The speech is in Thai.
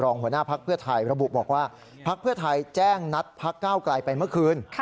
หัวหน้าภักดิ์เพื่อไทยระบุบอกว่าพักเพื่อไทยแจ้งนัดพักก้าวไกลไปเมื่อคืน